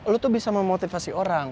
lu tuh bisa memotivasi orang